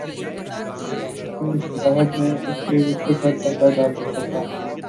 اُس کی مسکراہٹ نے اُس کے غصےپر پردہ ڈال رکھا تھا